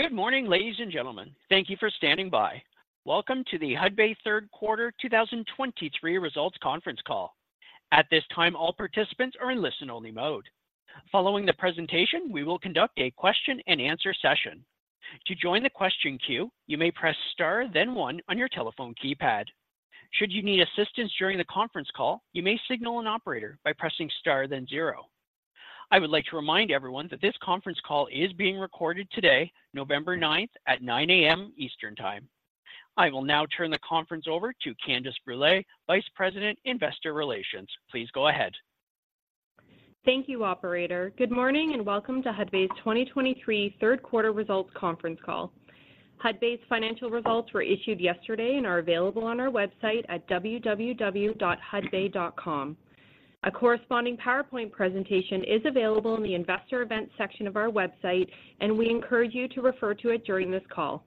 Good morning, ladies and gentlemen. Thank you for standing by. Welcome to the Hudbay Third Quarter 2023 Results Conference Call. At this time, all participants are in listen-only mode. Following the presentation, we will conduct a question-and-answer session. To join the question queue, you may press star, then one on your telephone keypad. Should you need assistance during the conference call, you may signal an operator by pressing star, then zero. I would like to remind everyone that this conference call is being recorded today, November 9, at 9:00 A.M. Eastern Time. I will now turn the conference over to Candace Brûlé, Vice President, Investor Relations. Please go ahead. Thank you, operator. Good morning, and welcome to Hudbay's 2023 third quarter results conference call. Hudbay's financial results were issued yesterday and are available on our website at www.hudbay.com. A corresponding PowerPoint presentation is available in the Investor Events section of our website, and we encourage you to refer to it during this call.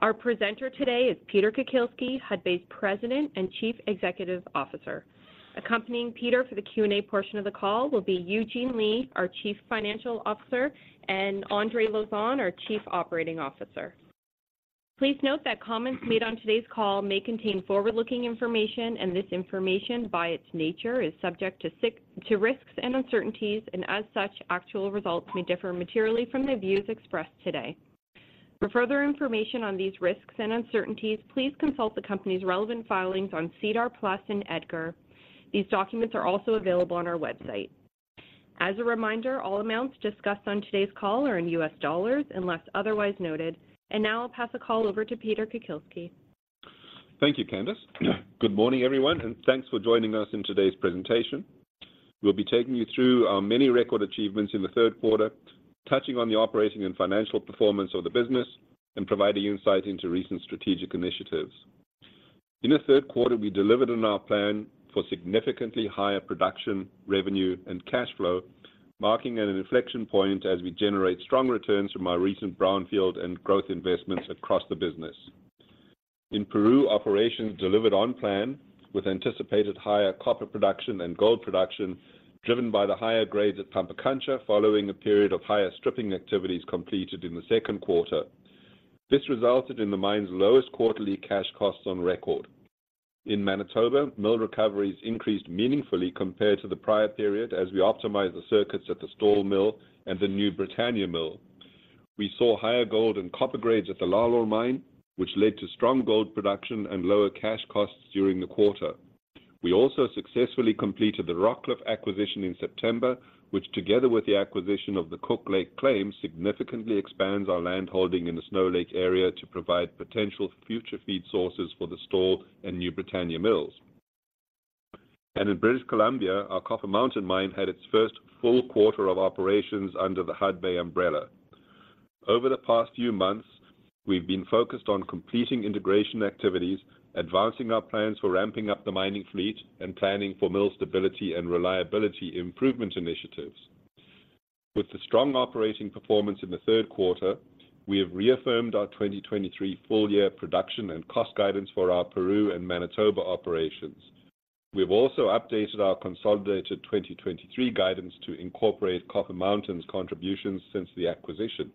Our presenter today is Peter Kukielski, Hudbay's President and Chief Executive Officer. Accompanying Peter for the Q&A portion of the call will be Eugene Lei, our Chief Financial Officer, and Andre Lauzon, our Chief Operating Officer. Please note that comments made on today's call may contain forward-looking information, and this information, by its nature, is subject to risks and uncertainties, and as such, actual results may differ materially from the views expressed today. For further information on these risks and uncertainties, please consult the company's relevant filings on SEDAR+ and EDGAR. These documents are also available on our website. As a reminder, all amounts discussed on today's call are in U.S. dollars, unless otherwise noted. And now I'll pass the call over to Peter Kukielski. Thank you, Candace. Good morning, everyone, and thanks for joining us in today's presentation. We'll be taking you through our many record achievements in the third quarter, touching on the operating and financial performance of the business and providing insight into recent strategic initiatives. In the third quarter, we delivered on our plan for significantly higher production, revenue, and cash flow, marking an inflection point as we generate strong returns from our recent brownfield and growth investments across the business. In Peru, operations delivered on plan, with anticipated higher copper production and gold production, driven by the higher grades at Pampacancha, following a period of higher stripping activities completed in the second quarter. This resulted in the mine's lowest quarterly cash costs on record. In Manitoba, mill recoveries increased meaningfully compared to the prior period as we optimized the circuits at the Stall Mill and the New Britannia Mill. We saw higher gold and copper grades at the Lalor mine, which led to strong gold production and lower cash costs during the quarter. We also successfully completed the Rockcliff acquisition in September, which, together with the acquisition of the Cook Lake claim, significantly expands our landholding in the Snow Lake area to provide potential future feed sources for the Stall and New Britannia mills. And in British Columbia, our Copper Mountain Mine had its first full quarter of operations under the Hudbay umbrella. Over the past few months, we've been focused on completing integration activities, advancing our plans for ramping up the mining fleet, and planning for mill stability and reliability improvement initiatives. With the strong operating performance in the third quarter, we have reaffirmed our 2023 full-year production and cost guidance for our Peru and Manitoba operations. We've also updated our consolidated 2023 guidance to incorporate Copper Mountain's contributions since the acquisition.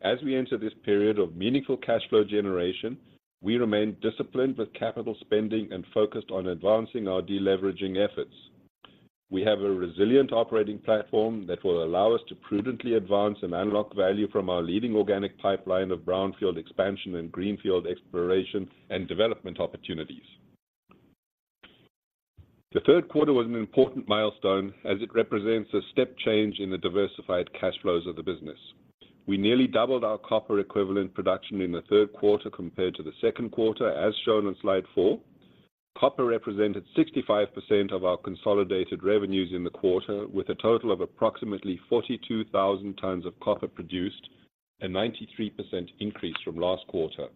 As we enter this period of meaningful cash flow generation, we remain disciplined with capital spending and focused on advancing our deleveraging efforts. We have a resilient operating platform that will allow us to prudently advance and unlock value from our leading organic pipeline of brownfield expansion and greenfield exploration and development opportunities. The third quarter was an important milestone as it represents a step change in the diversified cash flows of the business. We nearly doubled our copper equivalent production in the third quarter compared to the second quarter, as shown on slide four. Copper represented 65% of our consolidated revenues in the quarter, with a total of approximately 42,000 tonnes of copper produced, a 93% increase from last quarter.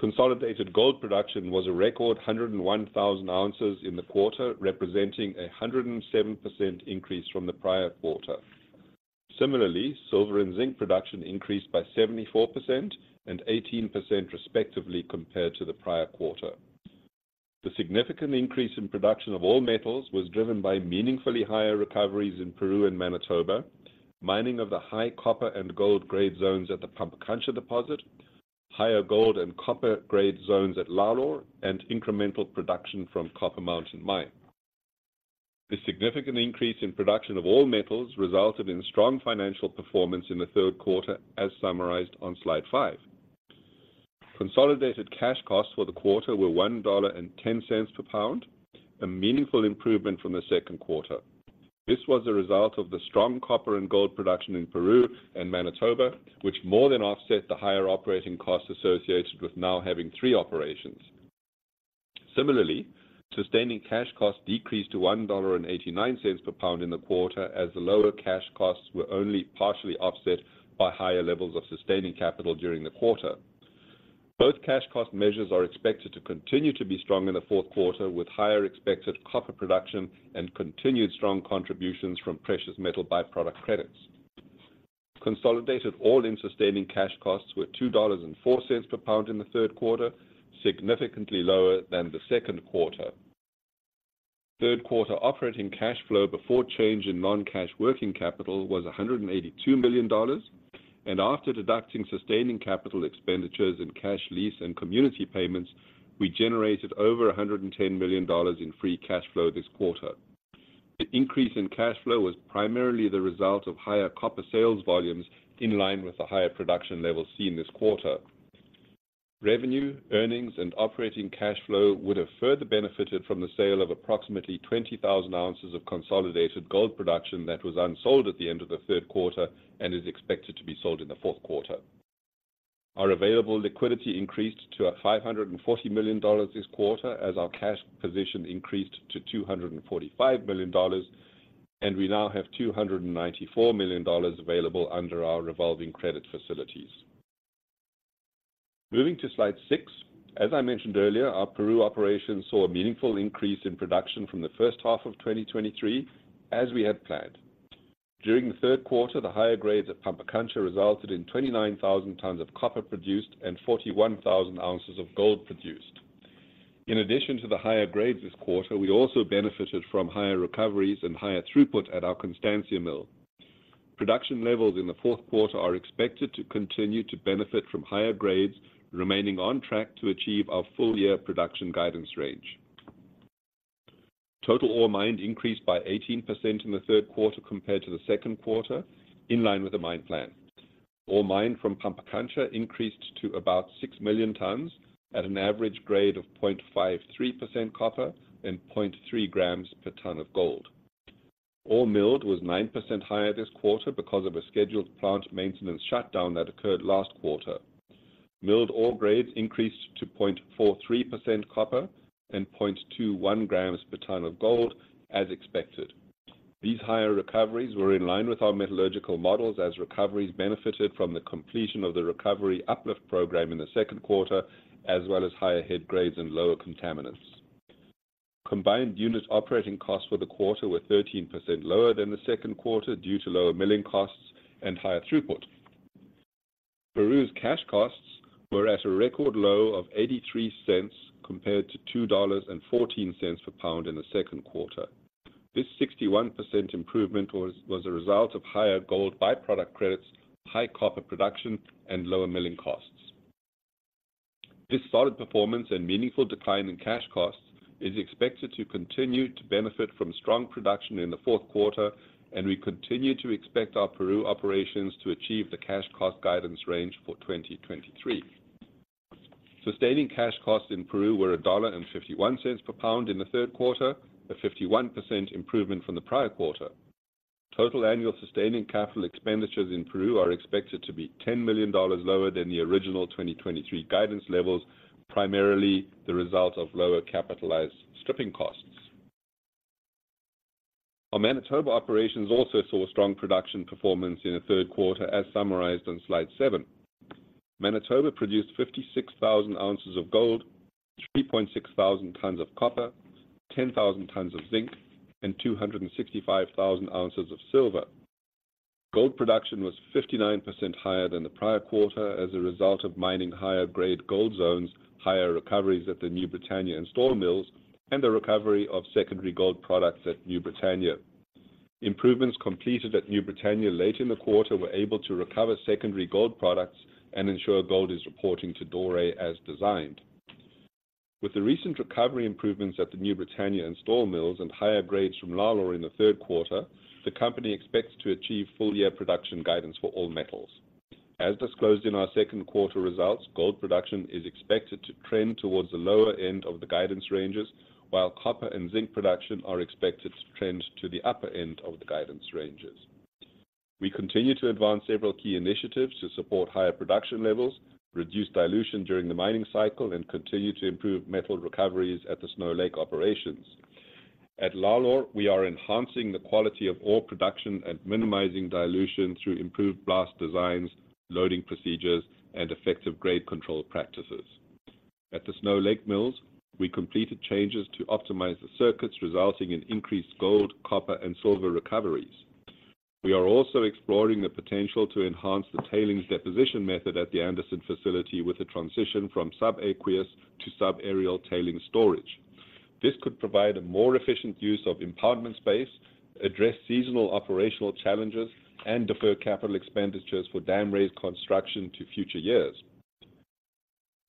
Consolidated gold production was a record 101,000 oz in the quarter, representing a 107% increase from the prior quarter. Similarly, silver and zinc production increased by 74% and 18%, respectively, compared to the prior quarter. The significant increase in production of all metals was driven by meaningfully higher recoveries in Peru and Manitoba, mining of the high copper and gold grade zones at the Pampacancha deposit, higher gold and copper grade zones at Lalor, and incremental production from Copper Mountain Mine. The significant increase in production of all metals resulted in strong financial performance in the third quarter, as summarized on slide five. Consolidated cash costs for the quarter were $1.10 per pound, a meaningful improvement from the second quarter. This was a result of the strong copper and gold production in Peru and Manitoba, which more than offset the higher operating costs associated with now having three operations. Similarly, sustaining cash costs decreased to $1.89 per pound in the quarter, as the lower cash costs were only partially offset by higher levels of sustaining capital during the quarter. Both cash cost measures are expected to continue to be strong in the fourth quarter, with higher expected copper production and continued strong contributions from precious metal by-product credits. Consolidated all-in sustaining cash costs were $2.04 per pound in the third quarter, significantly lower than the second quarter.... Third quarter operating cash flow before change in non-cash working capital was $182 million, and after deducting sustaining capital expenditures and cash lease and community payments, we generated over $110 million in free cash flow this quarter. The increase in cash flow was primarily the result of higher copper sales volumes, in line with the higher production levels seen this quarter. Revenue, earnings, and operating cash flow would have further benefited from the sale of approximately 20,000 oz of consolidated gold production that was unsold at the end of the third quarter and is expected to be sold in the fourth quarter. Our available liquidity increased to $540 million this quarter, as our cash position increased to $245 million, and we now have $294 million available under our revolving credit facilities. Moving to slide six, as I mentioned earlier, our Peru operations saw a meaningful increase in production from the first half of 2023, as we had planned. During the third quarter, the higher grades at Pampacancha resulted in 29,000 tonnes of copper produced and 41,000 oz of gold produced. In addition to the higher grades this quarter, we also benefited from higher recoveries and higher throughput at our Constancia mill. Production levels in the fourth quarter are expected to continue to benefit from higher grades, remaining on track to achieve our full-year production guidance range. Total ore mined increased by 18% in the third quarter compared to the second quarter, in line with the mine plan. Ore mined from Pampacancha increased to about 6 million tonnes at an average grade of 0.53% copper and 0.3 grams per tonne of gold. Ore milled was 9% higher this quarter because of a scheduled plant maintenance shutdown that occurred last quarter. Milled ore grades increased to 0.43% copper and 0.21 grams per tonne of gold, as expected. These higher recoveries were in line with our metallurgical models, as recoveries benefited from the completion of the recovery uplift program in the second quarter, as well as higher head grades and lower contaminants. Combined unit operating costs for the quarter were 13% lower than the second quarter due to lower milling costs and higher throughput. Peru's cash costs were at a record low of $0.83 compared to $2.14 per pound in the second quarter. This 61% improvement was a result of higher gold by-product credits, high copper production, and lower milling costs. This solid performance and meaningful decline in cash costs is expected to continue to benefit from strong production in the fourth quarter, and we continue to expect our Peru operations to achieve the cash cost guidance range for 2023. Sustaining cash costs in Peru were $1.51 per pound in the third quarter, a 51% improvement from the prior quarter. Total annual sustaining capital expenditures in Peru are expected to be $10 million lower than the original 2023 guidance levels, primarily the result of lower capitalized stripping costs. Our Manitoba operations also saw strong production performance in the third quarter, as summarized on slide seven. Manitoba produced 56,000 oz of gold, 3,600 tonnes of copper, 10,000 tonnes of zinc, and 265,000 oz of silver. Gold production was 59% higher than the prior quarter as a result of mining higher-grade gold zones, higher recoveries at the New Britannia and Stall Mills, and the recovery of secondary gold products at New Britannia. Improvements completed at New Britannia late in the quarter were able to recover secondary gold products and ensure gold is reporting to doré as designed. With the recent recovery improvements at the New Britannia and Stall Mills and higher grades from Lalor in the third quarter, the company expects to achieve full-year production guidance for all metals. As disclosed in our second quarter results, gold production is expected to trend towards the lower end of the guidance ranges, while copper and zinc production are expected to trend to the upper end of the guidance ranges. We continue to advance several key initiatives to support higher production levels, reduce dilution during the mining cycle, and continue to improve metal recoveries at the Snow Lake operations. At Lalor, we are enhancing the quality of ore production and minimizing dilution through improved blast designs, loading procedures, and effective grade control practices. At the Snow Lake Mills, we completed changes to optimize the circuits, resulting in increased gold, copper, and silver recoveries. We are also exploring the potential to enhance the tailings deposition method at the Anderson facility with a transition from subaqueous to subaerial tailings storage. This could provide a more efficient use of impoundment space, address seasonal operational challenges, and defer capital expenditures for dam raise construction to future years.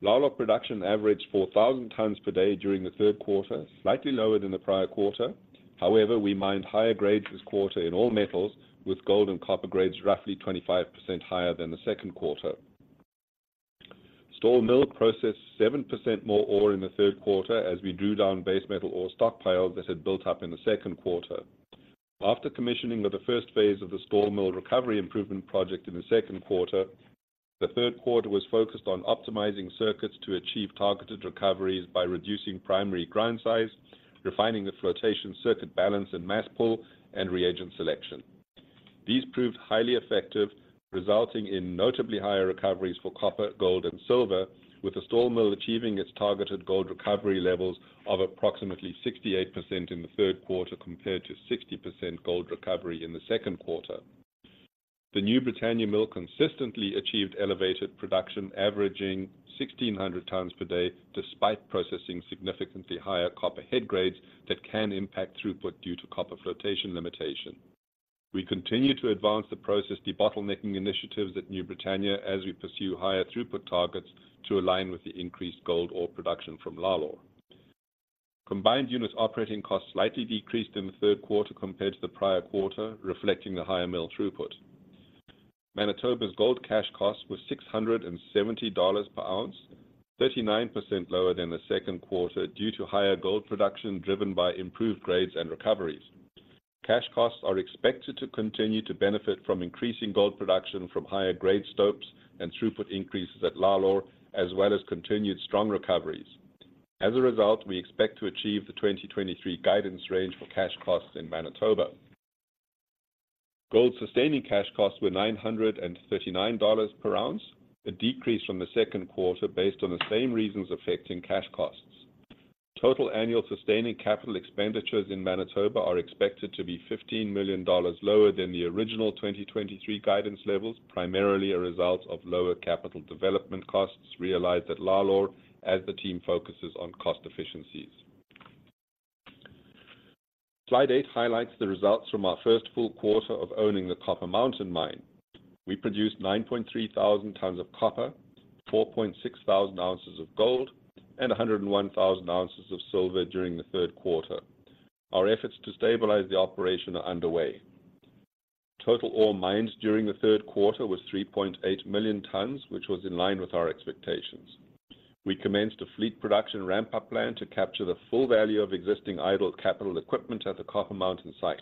Lalor production averaged 4,000 tonnes per day during the third quarter, slightly lower than the prior quarter. However, we mined higher grades this quarter in all metals, with gold and copper grades roughly 25% higher than the second quarter. Stall Mill processed 7% more ore in the third quarter as we drew down base metal ore stockpiles that had built up in the second quarter. After commissioning of the first phase of the Stall Mill Recovery Improvement Project in the second quarter, the third quarter was focused on optimizing circuits to achieve targeted recoveries by reducing primary grind size, refining the flotation circuit balance and mass pull, and reagent selection. These proved highly effective, resulting in notably higher recoveries for copper, gold, and silver, with the Stall Mill achieving its targeted gold recovery levels of approximately 68% in the third quarter, compared to 60% gold recovery in the second quarter. The New Britannia mill consistently achieved elevated production, averaging 1,600 tonnes per day, despite processing significantly higher copper head grades that can impact throughput due to copper flotation limitation. We continue to advance the process debottlenecking initiatives at New Britannia as we pursue higher throughput targets to align with the increased gold ore production from Lalor. Combined unit operating costs slightly decreased in the third quarter compared to the prior quarter, reflecting the higher mill throughput. Manitoba's gold cash costs were $670 per ounce, 39% lower than the second quarter due to higher gold production, driven by improved grades and recoveries. Cash costs are expected to continue to benefit from increasing gold production from higher-grade stopes and throughput increases at Lalor, as well as continued strong recoveries. As a result, we expect to achieve the 2023 guidance range for cash costs in Manitoba. Gold sustaining cash costs were $939 per ounce, a decrease from the second quarter based on the same reasons affecting cash costs. Total annual sustaining capital expenditures in Manitoba are expected to be $15 million lower than the original 2023 guidance levels, primarily a result of lower capital development costs realized at Lalor as the team focuses on cost efficiencies. Slide eight highlights the results from our first full quarter of owning the Copper Mountain Mine. We produced 9,300 tonnes of copper, 4,600 oz of gold, and 101,000 oz of silver during the third quarter. Our efforts to stabilize the operation are underway. Total ore mined during the third quarter was 3.8 million tonnes, which was in line with our expectations. We commenced a fleet production ramp-up plan to capture the full value of existing idled capital equipment at the Copper Mountain site.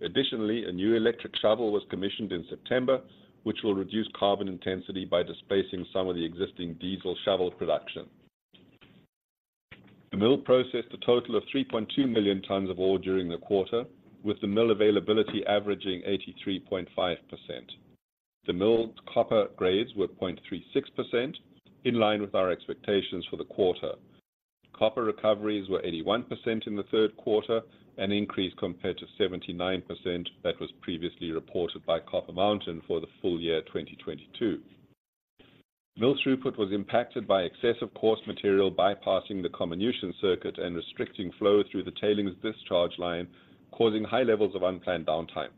Additionally, a new electric shovel was commissioned in September, which will reduce carbon intensity by displacing some of the existing diesel shovel production. The mill processed a total of 3.2 million tonnes of ore during the quarter, with the mill availability averaging 83.5%. The mill's copper grades were 0.36%, in line with our expectations for the quarter. Copper recoveries were 81% in the third quarter, an increase compared to 79% that was previously reported by Copper Mountain for the full year, 2022. Mill throughput was impacted by excessive coarse material, bypassing the comminution circuit and restricting flow through the tailings discharge line, causing high levels of unplanned downtime.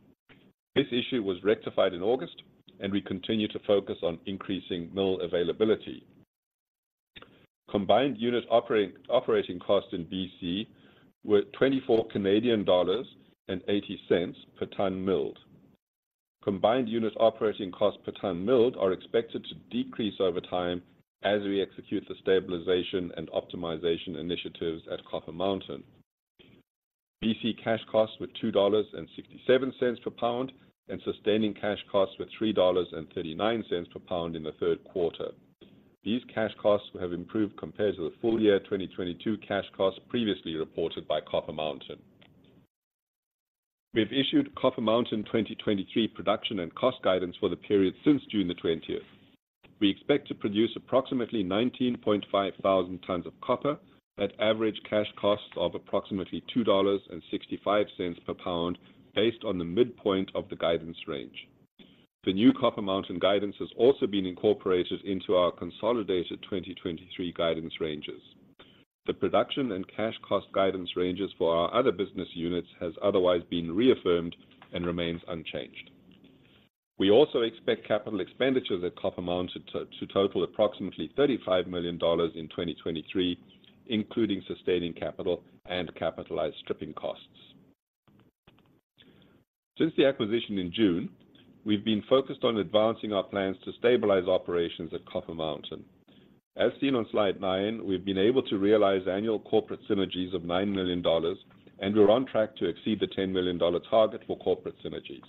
This issue was rectified in August, and we continue to focus on increasing mill availability. Combined unit operating, operating costs in BC were 24.80 Canadian dollars per tonne milled. Combined unit operating costs per tonne milled are expected to decrease over time as we execute the stabilization and optimization initiatives at Copper Mountain. BC cash costs were $2.67 per pound, and sustaining cash costs were $3.39 per pound in the third quarter. These cash costs have improved compared to the full year 2022 cash costs previously reported by Copper Mountain. We've issued Copper Mountain's 2023 production and cost guidance for the period since June 20. We expect to produce approximately 19,500 tonnes of copper at average cash costs of approximately $2.65 per pound, based on the midpoint of the guidance range. The new Copper Mountain guidance has also been incorporated into our consolidated 2023 guidance ranges. The production and cash cost guidance ranges for our other business units has otherwise been reaffirmed and remains unchanged. We also expect capital expenditures at Copper Mountain to total approximately $35 million in 2023, including sustaining capital and capitalized stripping costs. Since the acquisition in June, we've been focused on advancing our plans to stabilize operations at Copper Mountain. As seen on slide nine, we've been able to realize annual corporate synergies of $9 million, and we're on track to exceed the $10 million target for corporate synergies.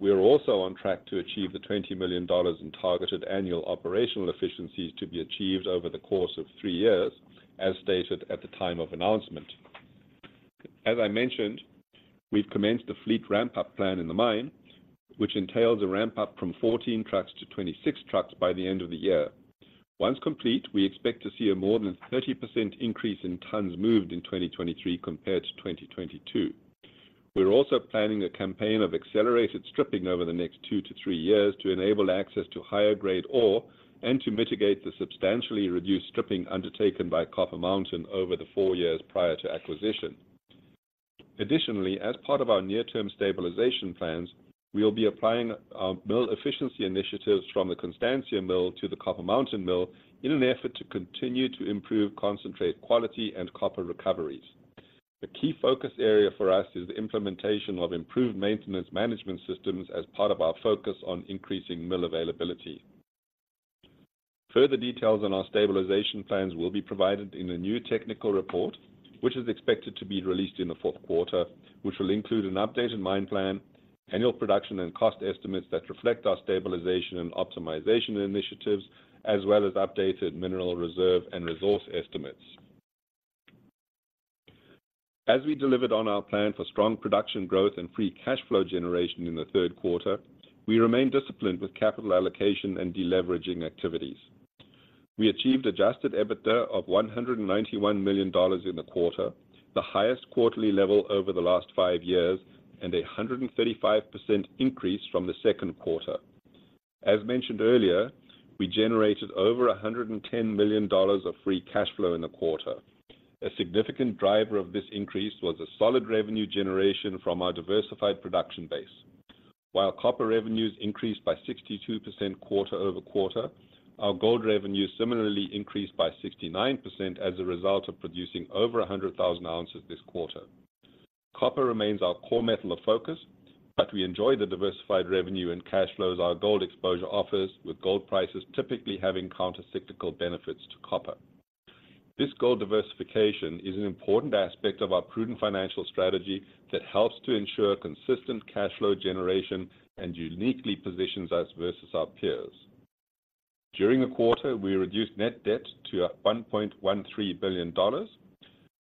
We are also on track to achieve the $20 million in targeted annual operational efficiencies to be achieved over the course of three years, as stated at the time of announcement. As I mentioned, we've commenced the fleet ramp-up plan in the mine, which entails a ramp-up from 14 trucks to 26 trucks by the end of the year. Once complete, we expect to see a more than 30% increase in tonnes moved in 2023 compared to 2022. We're also planning a campaign of accelerated stripping over the next 2-3 years to enable access to higher-grade ore and to mitigate the substantially reduced stripping undertaken by Copper Mountain over the four years prior to acquisition. Additionally, as part of our near-term stabilization plans, we'll be applying our mill efficiency initiatives from the Constancia mill to the Copper Mountain mill in an effort to continue to improve concentrate quality and copper recoveries. A key focus area for us is the implementation of improved maintenance management systems as part of our focus on increasing mill availability. Further details on our stabilization plans will be provided in a new technical report, which is expected to be released in the fourth quarter, which will include an updated mine plan, annual production and cost estimates that reflect our stabilization and optimization initiatives, as well as updated mineral reserve and resource estimates. As we delivered on our plan for strong production growth and free cash flow generation in the third quarter, we remain disciplined with capital allocation and de-leveraging activities.... We achieved Adjusted EBITDA of $191 million in the quarter, the highest quarterly level over the last five years, and a 135% increase from the second quarter. As mentioned earlier, we generated over $110 million of free cash flow in the quarter. A significant driver of this increase was a solid revenue generation from our diversified production base. While copper revenues increased by 62% quarter-over-quarter, our gold revenues similarly increased by 69% as a result of producing over 100,000 oz this quarter. Copper remains our core metal of focus, but we enjoy the diversified revenue and cash flows our gold exposure offers, with gold prices typically having countercyclical benefits to copper. This gold diversification is an important aspect of our prudent financial strategy that helps to ensure consistent cash flow generation and uniquely positions us versus our peers. During the quarter, we reduced net debt to one point one three billion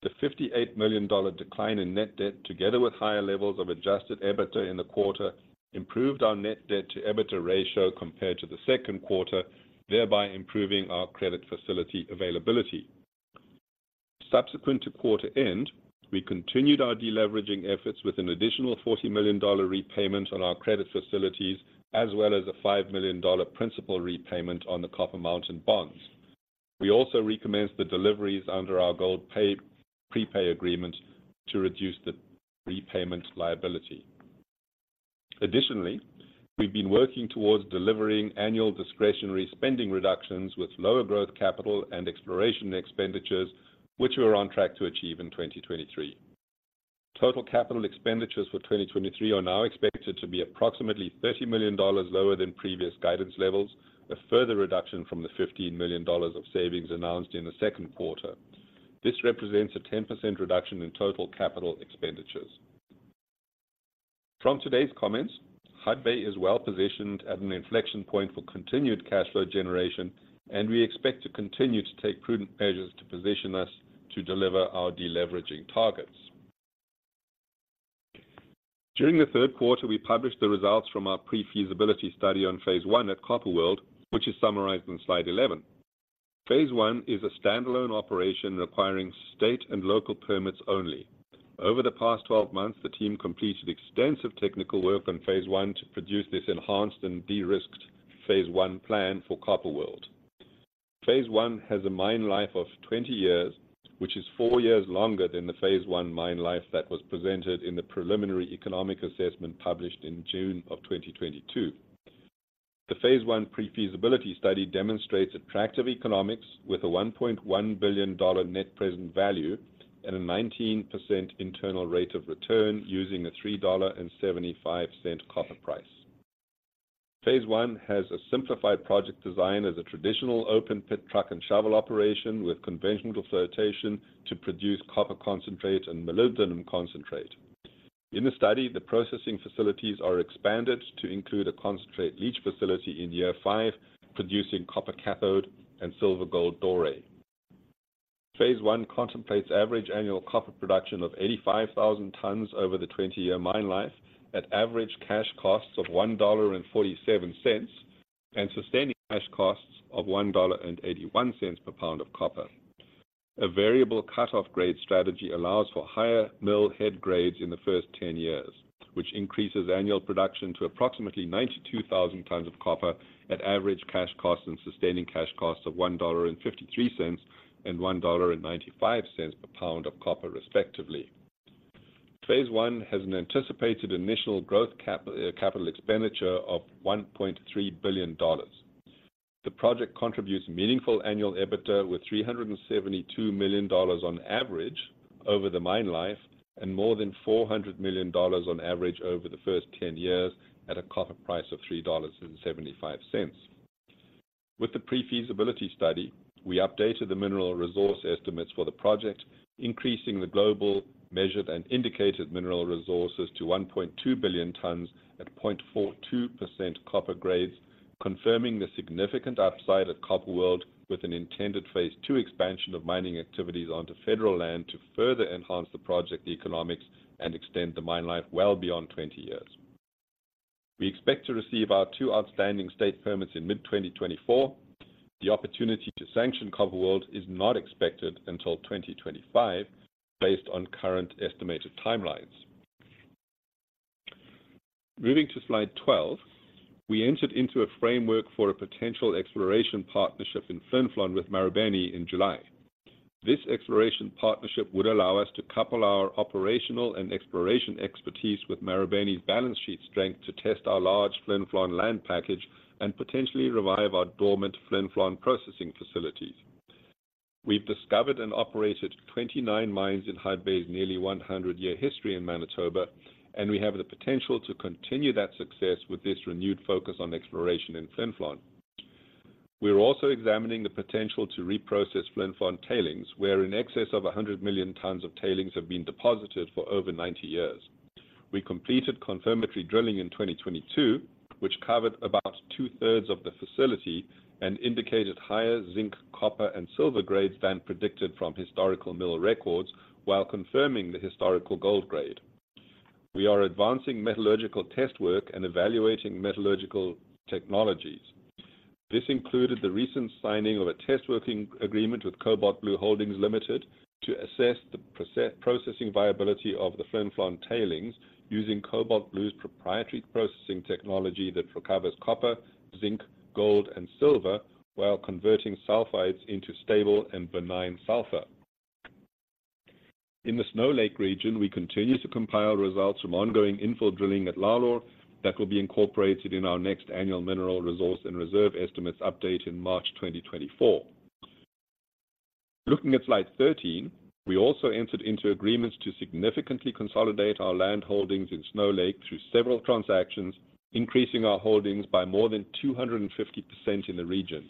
dollars. The $58 million-decline in net debt, together with higher levels of Adjusted EBITDA in the quarter, improved our net debt to EBITDA ratio compared to the second quarter, thereby improving our credit facility availability. Subsequent to quarter end, we continued our deleveraging efforts with an additional $40 million-repayment on our credit facilities, as well as a $5 million-principal repayment on the Copper Mountain bonds. We also recommenced the deliveries under our gold prepay agreement to reduce the repayment liability. Additionally, we've been working towards delivering annual discretionary spending reductions with lower growth capital and exploration expenditures, which we are on track to achieve in 2023. Total capital expenditures for 2023 are now expected to be approximately $30 million lower than previous guidance levels, a further reduction from the $15 million of savings announced in the second quarter. This represents a 10% reduction in total capital expenditures. From today's comments, Hudbay is well positioned at an inflection point for continued cash flow generation, and we expect to continue to take prudent measures to position us to deliver our deleveraging targets. During the third quarter, we published the results from our pre-feasibility study on Phase One at Copper World, which is summarized in slide 11. Phase One is a standalone operation requiring state and local permits only. Over the past 12 months, the team completed extensive technical work on Phase One to produce this enhanced and de-risked Phase One plan for Copper World. Phase One has a mine life of 20 years, which is four years longer than the Phase One mine life that was presented in the preliminary economic assessment published in June of 2022. The Phase One pre-feasibility study demonstrates attractive economics with a $1.1 billion net present value and a 19% internal rate of return using a $3.75 copper price. Phase One has a simplified project design as a traditional open pit truck and shovel operation with conventional flotation to produce copper concentrate and molybdenum concentrate. In the study, the processing facilities are expanded to include a concentrate leach facility in year five, producing copper cathode and silver gold doré. Phase One contemplates average annual copper production of 85,000 tonnes over the 20-year mine life at average cash costs of $1.47, and sustaining cash costs of $1.81 per pound of copper. A variable cut-off grade strategy allows for higher mill head grades in the first 10 years, which increases annual production to approximately 92,000 tonnes of copper at average cash costs and sustaining cash costs of $1.53 and $1.95 per pound of copper, respectively. Phase One has an anticipated initial growth cap, capital expenditure of $1.3 billion. The project contributes meaningful annual EBITDA, with $372 million on average over the mine life, and more than $400 million on average over the first 10 years at a copper price of $3.75. With the pre-feasibility study, we updated the mineral resource estimates for the project, increasing the global, measured, and indicated mineral resources to 1.2 billion tonnes at 0.42% copper grades, confirming the significant upside at Copper World with an intended Phase Two expansion of mining activities onto federal land to further enhance the project economics and extend the mine life well beyond 20 years. We expect to receive our two outstanding state permits in mid-2024. The opportunity to sanction Copper World is not expected until 2025, based on current estimated timelines. Moving to slide 12, we entered into a framework for a potential exploration partnership in Flin Flon with Marubeni in July. This exploration partnership would allow us to couple our operational and exploration expertise with Marubeni's balance sheet strength to test our large Flin Flon land package and potentially revive our dormant Flin Flon processing facilities. We've discovered and operated 29 mines in Hudbay's nearly 100-year history in Manitoba, and we have the potential to continue that success with this renewed focus on exploration in Flin Flon. We are also examining the potential to reprocess Flin Flon tailings, where in excess of 100 million tonnes of tailings have been deposited for over 90 years. We completed confirmatory drilling in 2022, which covered about two-thirds of the facility and indicated higher zinc, copper, and silver grades than predicted from historical mill records, while confirming the historical gold grade. We are advancing metallurgical test work and evaluating metallurgical technologies. This included the recent signing of a test work agreement with Cobalt Blue Holdings Limited, to assess the processing viability of the Flin Flon tailings, using Cobalt Blue's proprietary processing technology that recovers copper, zinc, gold, and silver, while converting sulfides into stable and benign sulfur. In the Snow Lake region, we continue to compile results from ongoing infill drilling at Lalor that will be incorporated in our next annual mineral resource and reserve estimates update in March 2024. Looking at slide 13, we also entered into agreements to significantly consolidate our land holdings in Snow Lake through several transactions, increasing our holdings by more than 250% in the region.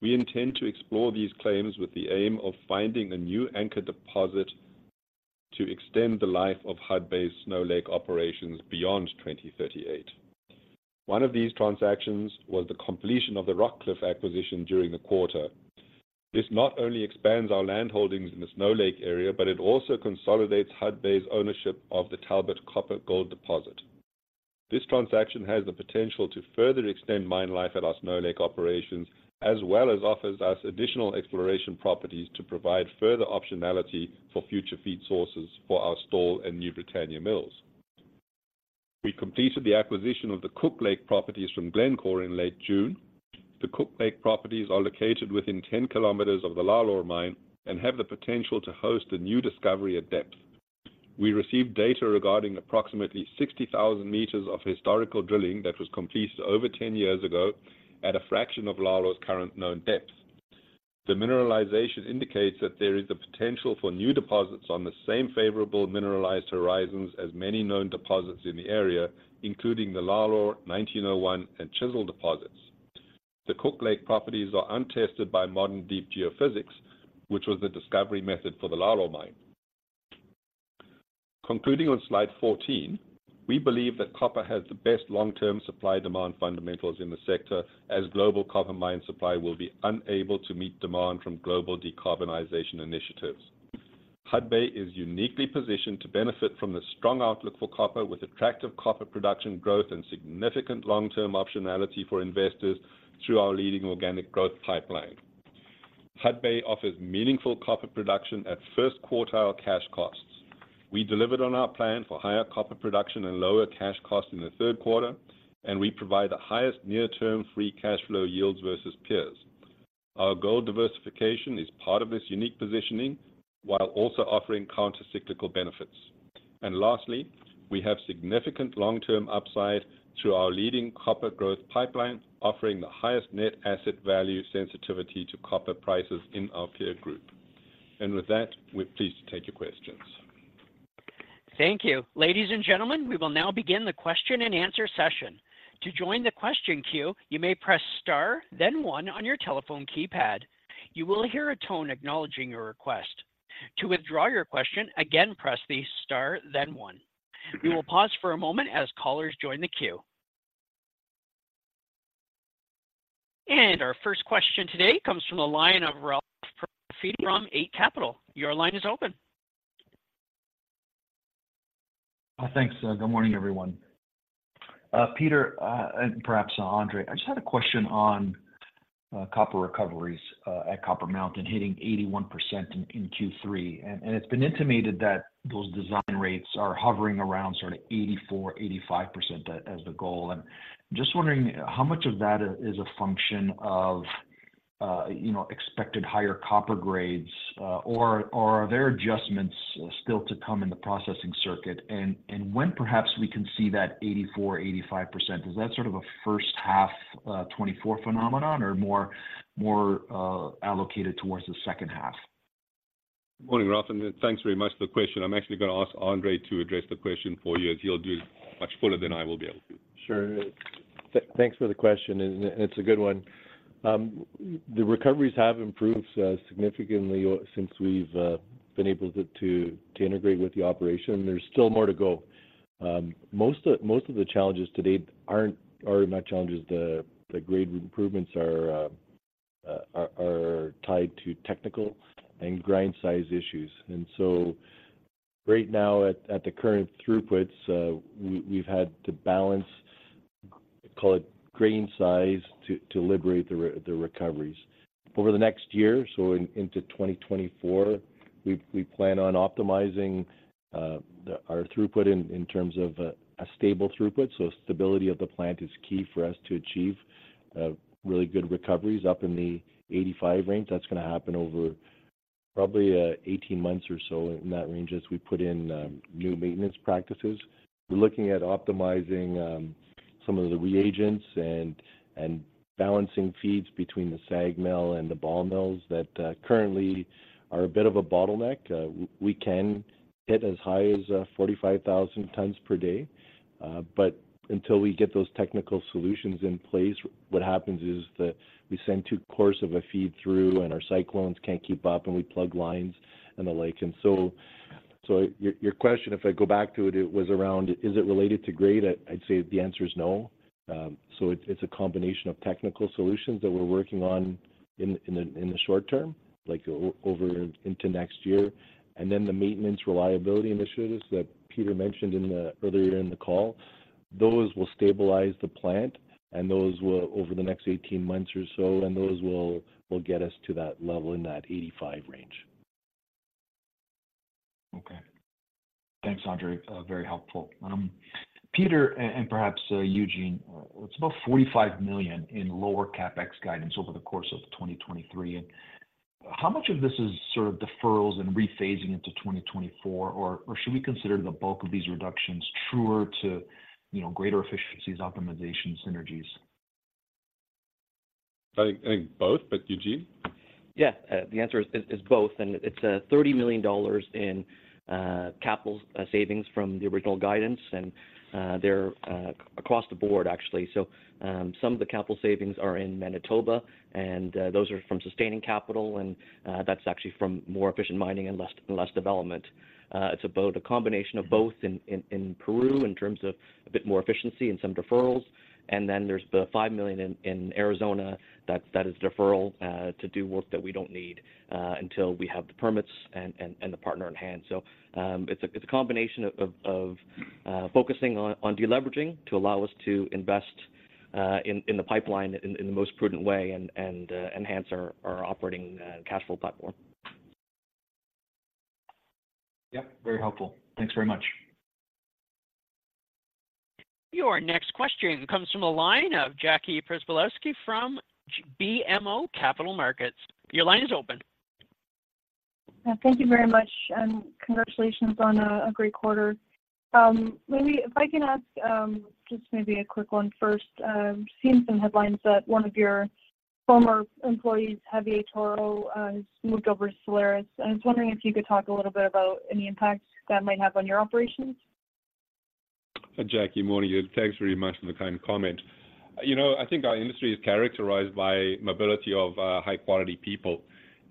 We intend to explore these claims with the aim of finding a new anchor deposit to extend the life of Hudbay's Snow Lake operations beyond 2038. One of these transactions was the completion of the Rockcliff acquisition during the quarter. This not only expands our land holdings in the Snow Lake area, but it also consolidates Hudbay's ownership of the Talbot copper gold deposit. This transaction has the potential to further extend mine life at our Snow Lake operations, as well as offers us additional exploration properties to provide further optionality for future feed sources for our Stall and New Britannia mills. We completed the acquisition of the Cook Lake properties from Glencore in late June. The Cook Lake properties are located within 10 km of the Lalor mine and have the potential to host a new discovery at depth. We received data regarding approximately 60,000 m of historical drilling that was completed over 10 years ago at a fraction of Lalor's current known depth. The mineralization indicates that there is the potential for new deposits on the same favorable mineralized horizons as many known deposits in the area, including the Lalor, 1901, and Chisel deposits. The Cook Lake properties are untested by modern deep geophysics, which was the discovery method for the Lalor mine. Concluding on slide 14, we believe that copper has the best long-term supply-demand fundamentals in the sector, as global copper mine supply will be unable to meet demand from global decarbonization initiatives. Hudbay is uniquely positioned to benefit from the strong outlook for copper, with attractive copper production growth and significant long-term optionality for investors through our leading organic growth pipeline. Hudbay offers meaningful copper production at first quartile cash costs. We delivered on our plan for higher copper production and lower cash costs in the third quarter, and we provide the highest near-term free cash flow yields versus peers. Our gold diversification is part of this unique positioning, while also offering countercyclical benefits. Lastly, we have significant long-term upside through our leading copper growth pipeline, offering the highest net asset value sensitivity to copper prices in our peer group. With that, we're pleased to take your questions. Thank you. Ladies and gentlemen, we will now begin the question-and-answer session. To join the question queue, you may press star, then one on your telephone keypad. You will hear a tone acknowledging your request. To withdraw your question, again, press the star, then one. We will pause for a moment as callers join the queue. Our first question today comes from the line of Ralph Profiti from Eight Capital. Your line is open. Thanks. Good morning, everyone. Peter, and perhaps Andre, I just had a question on, copper recoveries, at Copper Mountain, hitting 81% in Q3. And it's been intimated that those design rates are hovering around sort of 84-85% as the goal. And just wondering, how much of that is a function of, you know, expected higher copper grades, or are there adjustments still to come in the processing circuit? And when perhaps we can see that 84-85%? Is that sort of a first half, 2024 phenomenon or more allocated towards the second half? Morning, Ralph, and thanks very much for the question. I'm actually going to ask Andre to address the question for you, as he'll do much fuller than I will be able to. Sure. Thanks for the question, and it's a good one. The recoveries have improved significantly since we've been able to integrate with the operation, and there's still more to go. Most of the challenges to date are not challenges. The grade improvements are tied to technical and grind size issues. And so right now at the current throughputs, we've had to balance, call it, grind size to liberate the recoveries. Over the next year, so into 2024, we plan on optimizing our throughput in terms of a stable throughput. So stability of the plant is key for us to achieve really good recoveries up in the 85 range. That's going to happen over probably 18 months or so in that range, as we put in new maintenance practices. We're looking at optimizing some of the reagents and balancing feeds between the SAG mill and the ball mills that currently are a bit of a bottleneck. We can hit as high as 45,000 tonnes per day, but until we get those technical solutions in place, what happens is that we send too coarse of a feed through, and our cyclones can't keep up, and we plug lines and the like. So your question, if I go back to it, it was around, is it related to grade? I'd say the answer is no. So it's, it's a combination of technical solutions that we're working on in, in the, in the short term, like over into next year. And then the maintenance reliability initiatives that Peter mentioned in the earlier in the call-... Those will stabilize the plant, and those will, over the next 18 months or so, and those will, will get us to that level in that 85 range. Okay. Thanks, Andre. Very helpful. Peter, and perhaps, Eugene, what's about $45 million in lower CapEx guidance over the course of 2023, and how much of this is sort of deferrals and rephasing into 2024, or, or should we consider the bulk of these reductions truer to, you know, greater efficiencies, optimization, synergies? I think both, but Eugene? Yeah, the answer is, is both, and it's $30 million in capital savings from the original guidance, and they're across the board, actually. So, some of the capital savings are in Manitoba, and those are from sustaining capital, and that's actually from more efficient mining and less, less development. It's about a combination of both in Peru, in terms of a bit more efficiency and some deferrals, and then there's the $5 million in Arizona that is deferral to do work that we don't need until we have the permits and the partner in hand. So, it's a combination of focusing on deleveraging to allow us to invest in the pipeline in the most prudent way and enhance our operating cash flow platform. Yep, very helpful. Thanks very much. Your next question comes from the line of Jackie Przybylowski from BMO Capital Markets. Your line is open. Yeah, thank you very much, and congratulations on a great quarter. Maybe if I can ask, just maybe a quick one first. I've seen some headlines that one of your former employees, Javier Toro, has moved over to Solaris, and I was wondering if you could talk a little bit about any impact that might have on your operations. Hi, Jackie. Morning, and thanks very much for the kind comment. You know, I think our industry is characterized by mobility of high-quality people.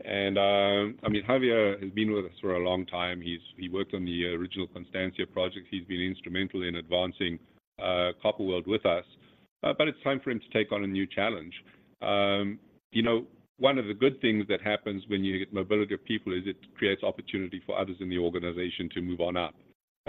And I mean, Javier has been with us for a long time. He worked on the original Constancia project. He's been instrumental in advancing Copper World with us, but it's time for him to take on a new challenge. You know, one of the good things that happens when you get mobility of people is it creates opportunity for others in the organization to move on up.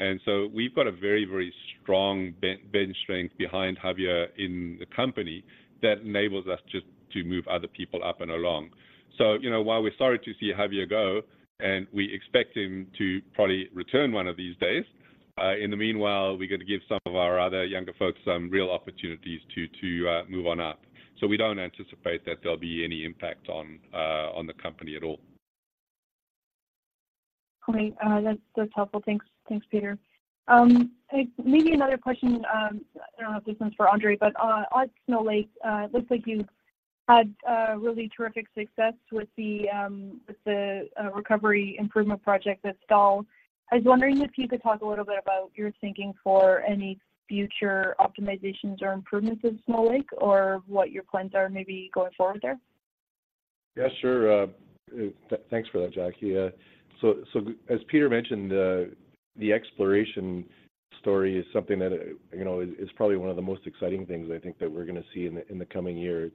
And so we've got a very, very strong bench strength behind Javier in the company that enables us just to move other people up and along. So, you know, while we're sorry to see Javier go, and we expect him to probably return one of these days, in the meanwhile, we're going to give some of our other younger folks some real opportunities to move on up. So we don't anticipate that there'll be any impact on the company at all. Great. That's helpful. Thanks. Thanks, Peter. Maybe another question. I don't know if this one's for Andre, but on Snow Lake, it looks like you've had really terrific success with the recovery improvement project that Stall. I was wondering if you could talk a little bit about your thinking for any future optimizations or improvements in Snow Lake, or what your plans are maybe going forward there? Yeah, sure. Thanks for that, Jackie. So, so as Peter mentioned, the exploration story is something that, you know, is probably one of the most exciting things I think that we're going to see in the coming years.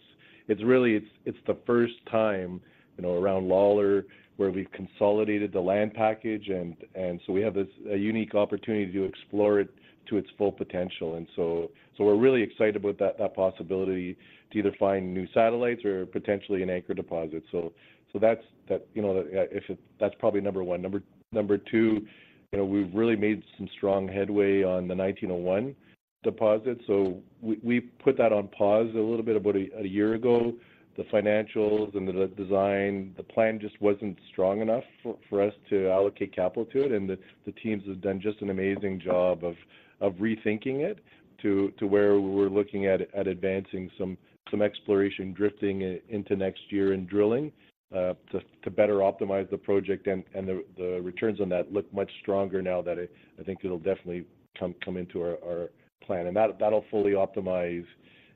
It's really the first time, you know, around Lalor, where we've consolidated the land package, and so we have a unique opportunity to explore it to its full potential. So we're really excited about that possibility to either find new satellites or potentially an anchor deposit. So that's, you know, that's probably number one. Number two, you know, we've really made some strong headway on the 1901 Deposit, so we put that on pause a little bit about a year ago. The financials and the design, the plan just wasn't strong enough for us to allocate capital to it, and the teams have done just an amazing job of rethinking it to where we're looking at advancing some exploration, drifting into next year and drilling to better optimize the project, and the returns on that look much stronger now that it... I think it'll definitely come into our plan. And that'll fully optimize,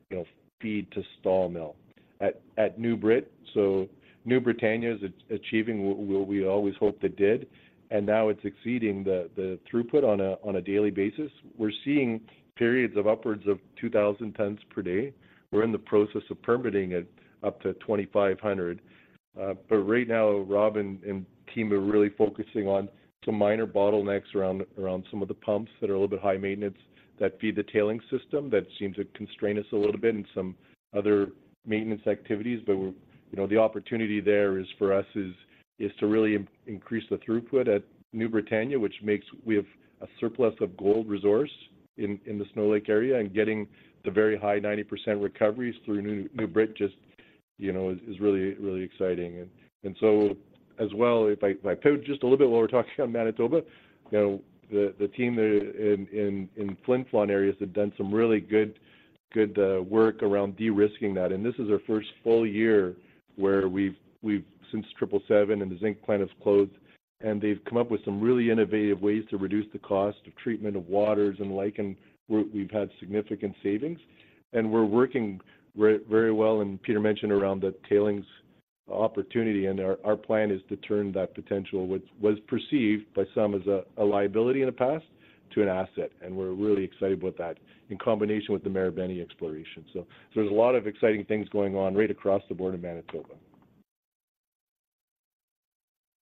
you know, feed to Stall Mill. At New Brit, so New Britannia is achieving what we always hoped it did, and now it's exceeding the throughput on a daily basis. We're seeing periods of upwards of 2,000 tonnes per day. We're in the process of permitting it up to 2,500. But right now, Rob and team are really focusing on some minor bottlenecks around some of the pumps that are a little bit high maintenance that feed the tailings system. That seems to constrain us a little bit and some other maintenance activities, but you know, the opportunity there is for us to really increase the throughput at New Britannia, we have a surplus of gold resource in the Snow Lake area, and getting the very high 90% recoveries through New Britannia just, you know, is really exciting. And so as well, if I pivot just a little bit while we're talking about Manitoba, you know, the team there in the Flin Flon areas have done some really good work around de-risking that. This is our first full year where we've since Triple Seven and the zinc plant has closed, and they've come up with some really innovative ways to reduce the cost of treatment of waters and the like, and we've had significant savings. We're working very, very well, and Peter mentioned around the tailings opportunity, and our plan is to turn that potential, which was perceived by some as a liability in the past, to an asset. We're really excited about that in combination with the Marubeni exploration. So there's a lot of exciting things going on right across the board in Manitoba....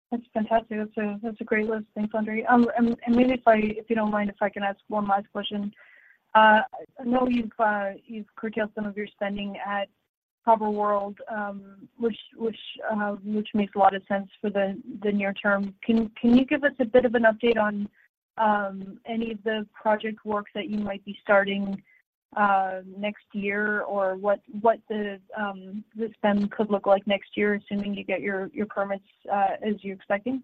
That's fantastic. That's a great list. Thanks, Andre. And maybe if you don't mind, if I can ask one last question. I know you've curtailed some of your spending at Copper World, which makes a lot of sense for the near term. Can you give us a bit of an update on any of the project works that you might be starting next year? Or what the spend could look like next year, assuming you get your permits as you're expecting?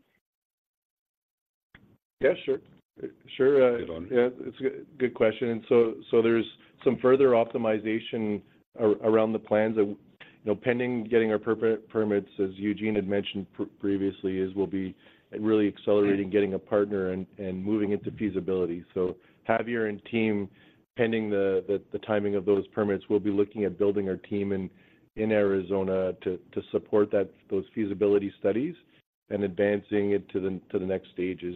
Yeah, sure. Sure, Go on. Yeah, it's a good, good question. And so, so there's some further optimization around the plans that, you know, pending getting our permits, as Eugene had mentioned previously, is we'll be really accelerating getting a partner and, and moving into feasibility. So Javier and team, pending the timing of those permits, will be looking at building our team in Arizona to support those feasibility studies and advancing it to the next stages,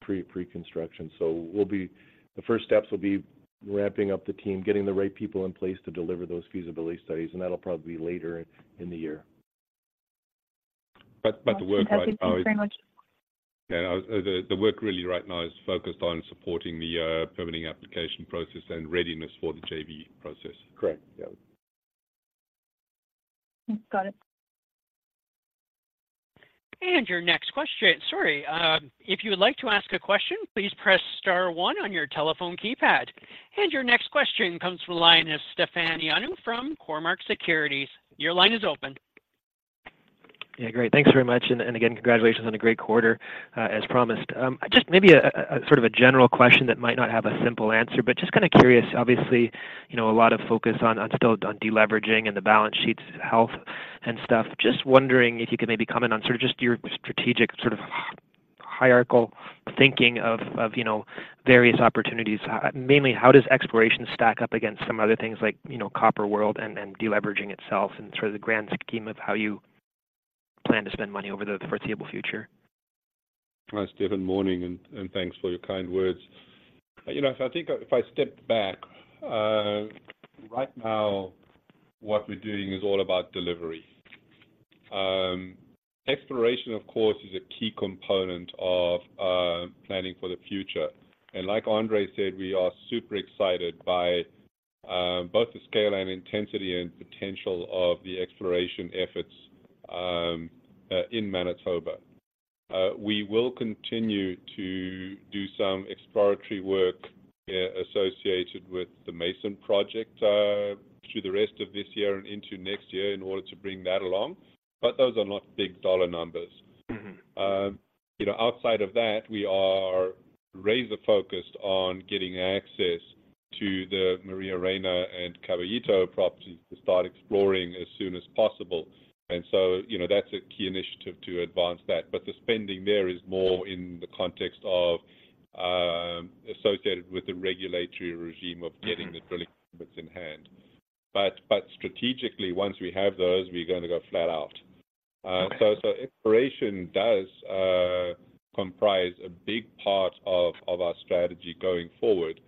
pre-construction. So we'll be. The first steps will be ramping up the team, getting the right people in place to deliver those feasibility studies, and that'll probably be later in the year. But, but the work right now is- Thank you very much. Yeah, the work really right now is focused on supporting the permitting application process and readiness for the JV process. Correct. Yeah. Got it. Your next question... Sorry, if you would like to ask a question, please press star one on your telephone keypad. Your next question comes from the line of Stefan Ioannou from Cormark Securities. Your line is open. Yeah, great. Thanks very much, and again, congratulations on a great quarter, as promised. Just maybe a sort of a general question that might not have a simple answer, but just kinda curious. Obviously, you know, a lot of focus still on deleveraging and the balance sheet's health and stuff. Just wondering if you could maybe comment on sort of just your strategic, sort of hierarchical thinking of you know, various opportunities. Mainly, how does exploration stack up against some other things like, you know, Copper World and deleveraging itself, and sort of the grand scheme of how you plan to spend money over the foreseeable future? Hi, Stefan, morning, and thanks for your kind words. You know, so I think if I step back, right now, what we're doing is all about delivery. Exploration, of course, is a key component of planning for the future. And like Andre said, we are super excited by both the scale and intensity and potential of the exploration efforts in Manitoba. We will continue to do some exploratory work associated with the Mason project through the rest of this year and into next year in order to bring that along, but those are not big dollar numbers. Mm-hmm. You know, outside of that, we are razor-focused on getting access to the Maria Reyna and Caballito properties to start exploring as soon as possible. And so, you know, that's a key initiative to advance that. But the spending there is more in the context of, associated with the regulatory regime of getting the drilling permits in hand. But strategically, once we have those, we're gonna go flat out. Okay. So exploration does comprise a big part of our strategy going forward.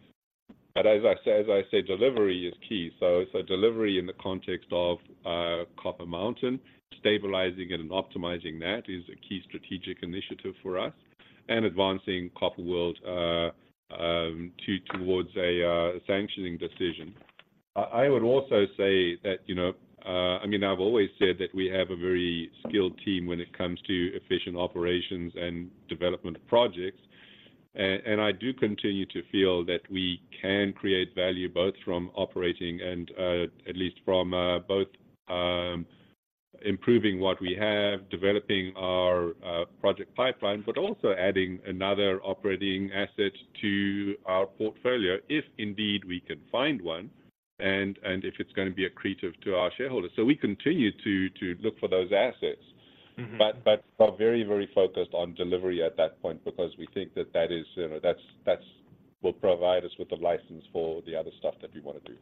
But as I say, delivery is key. So delivery in the context of Copper Mountain, stabilizing it and optimizing that is a key strategic initiative for us, and advancing Copper World towards a sanctioning decision. I would also say that, you know, I mean, I've always said that we have a very skilled team when it comes to efficient operations and development of projects. And I do continue to feel that we can create value, both from operating and at least from both improving what we have, developing our project pipeline, but also adding another operating asset to our portfolio, if indeed we can find one, and if it's gonna be accretive to our shareholders. We continue to look for those assets. But we are very, very focused on delivery at that point because we think that is, you know, that will provide us with the license for the other stuff that we wanna do.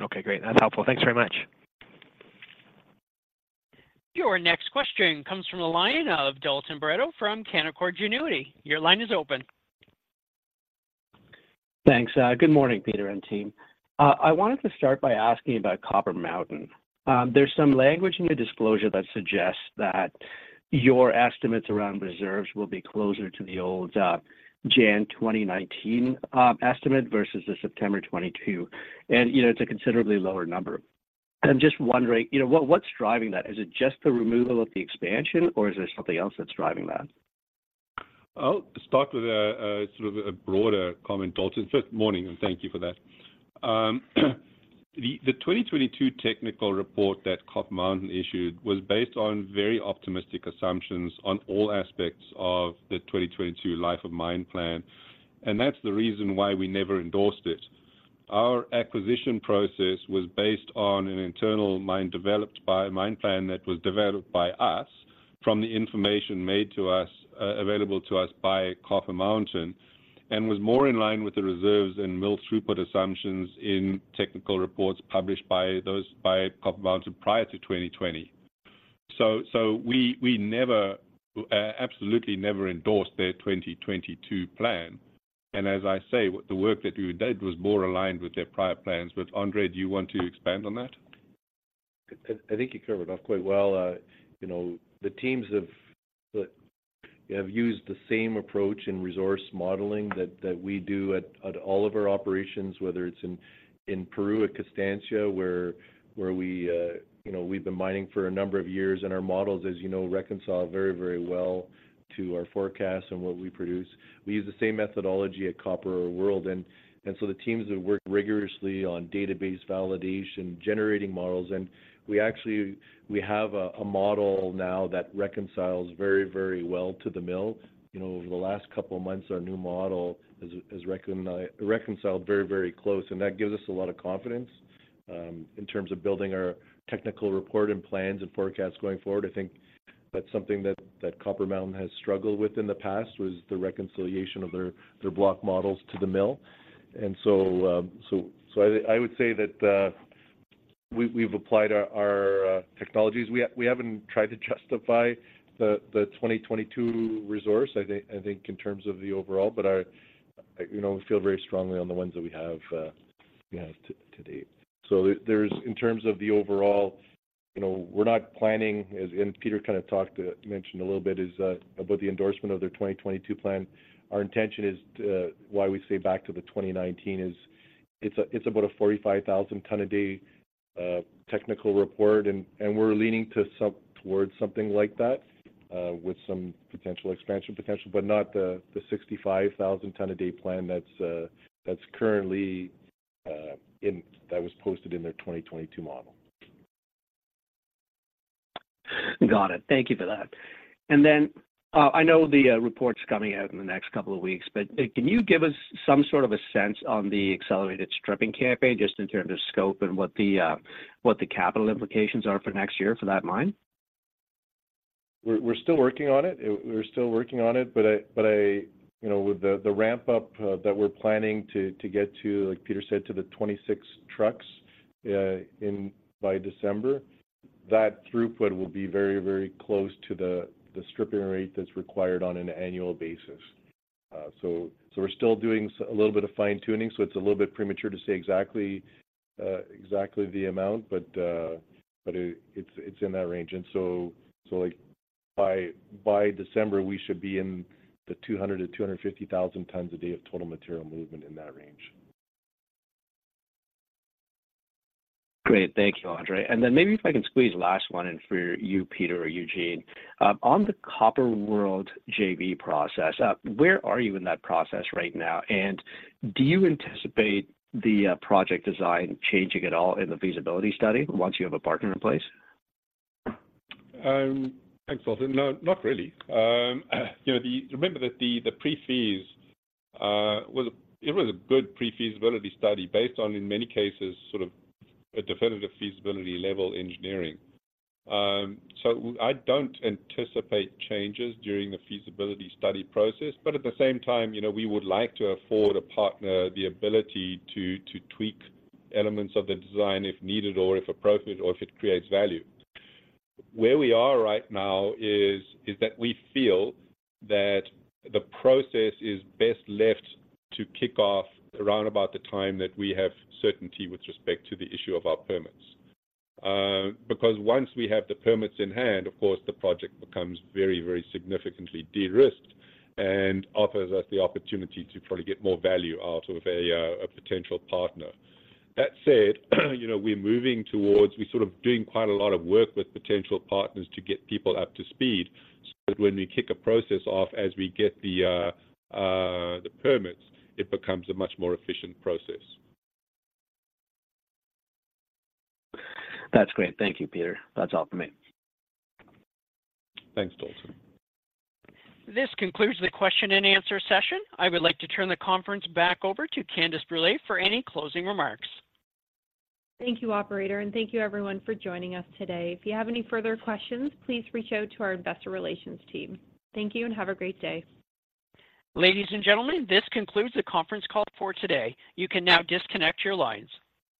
Okay, great. That's helpful. Thanks very much. Your next question comes from the line of Dalton Baretto from Canaccord Genuity. Your line is open. Thanks. Good morning, Peter and team. I wanted to start by asking about Copper Mountain. There's some language in your disclosure that suggests that your estimates around reserves will be closer to the old January 2019 estimate versus the September 2022. You know, it's a considerably lower number. I'm just wondering, you know, what, what's driving that? Is it just the removal of the expansion, or is there something else that's driving that? I'll start with a sort of broader comment, Dalton. Good morning and thank you for that. The 2022 technical report that Copper Mountain issued was based on very optimistic assumptions on all aspects of the 2022 life of mine plan, and that's the reason why we never endorsed it. Our acquisition process was based on an internal mine plan that was developed by us from the information made available to us by Copper Mountain and was more in line with the reserves and mill throughput assumptions in technical reports published by Copper Mountain prior to 2020. So we never absolutely never endorsed their 2022 plan, and as I say, the work that we did was more aligned with their prior plans. But Andre, do you want to expand on that? I think you covered it off quite well. You know, the teams have used the same approach in resource modeling that we do at all of our operations, whether it's in Peru, at Constancia, where we, you know, we've been mining for a number of years, and our models, as you know, reconcile very, very well to our forecast and what we produce. We use the same methodology at Copper World, and so the teams have worked rigorously on database validation, generating models, and we actually, we have a model now that reconciles very, very well to the mill. You know, over the last couple of months, our new model has reconciled very, very close, and that gives us a lot of confidence in terms of building our technical report, and plans, and forecasts going forward. I think that's something that Copper Mountain has struggled with in the past, was the reconciliation of their block models to the mill. And so, I would say that we, we've applied our technologies. We haven't tried to justify the 2022 resource, I think, in terms of the overall, but I, you know, feel very strongly on the ones that we have to date. So there's in terms of the overall, you know, we're not planning, as Peter kinda talked, mentioned a little bit about the endorsement of their 2022 plan. Our intention is to, why we say back to the 2019, is it's a, it's about a 45,000 tonne a day technical report, and we're leaning towards something like that with some potential expansion potential, but not the 65,000 tonne a day plan that's currently that was posted in their 2022 model. Got it. Thank you for that. And then, I know the report's coming out in the next couple of weeks, but, can you give us some sort of a sense on the accelerated stripping campaign, just in terms of scope and what the capital implications are for next year for that mine? We're still working on it, but I, you know, with the ramp up that we're planning to get to, like Peter said, to the 26 trucks in by December, that throughput will be very, very close to the stripping rate that's required on an annual basis. So we're still doing a little bit of fine-tuning, so it's a little bit premature to say exactly the amount, but it, it's in that range. And so, like, by December, we should be in the 200-250,000 tonnes a day of total material movement in that range. Great. Thank you, Andre. And then maybe if I can squeeze a last one in for you, Peter or Eugene. On the Copper World JV process, where are you in that process right now? And do you anticipate the project design changing at all in the feasibility study once you have a partner in place? Thanks, Dalton. No, not really. You know, remember that the pre-feasibility study was a good pre-feasibility study based on, in many cases, sort of a definitive feasibility level engineering. So I don't anticipate changes during the feasibility study process, but at the same time, you know, we would like to afford a partner the ability to tweak elements of the design if needed, or if appropriate, or if it creates value. Where we are right now is that we feel that the process is best left to kick off around about the time that we have certainty with respect to the issue of our permits. Because once we have the permits in hand, of course, the project becomes very, very significantly de-risked and offers us the opportunity to probably get more value out of a potential partner. That said, you know, we're moving towards, we're sort of doing quite a lot of work with potential partners to get people up to speed, so that when we kick a process off as we get the, the permits, it becomes a much more efficient process. That's great. Thank you, Peter. That's all for me. Thanks, Dalton. This concludes the question and answer session. I would like to turn the conference back over to Candace Brûlé for any closing remarks. Thank you, operator, and thank you everyone for joining us today. If you have any further questions, please reach out to our investor relations team. Thank you, and have a great day. Ladies and gentlemen, this concludes the conference call for today. You can now disconnect your lines.